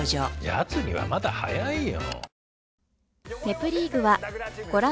やつにはまだ早いよ。